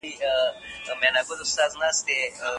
اداري اصلاحات ثبات تضمينوي.